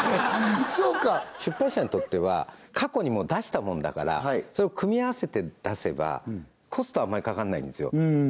そうか出版社にとっては過去にもう出したものだからそれを組み合わせて出せばコストはあんまりかからないんですよ